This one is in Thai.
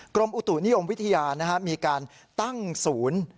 กรมอุตุนิยมวิทยามีการตั้งศูนย์